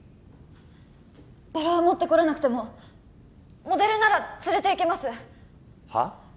バラは持ってこれなくてもモデルなら連れていけますはっ？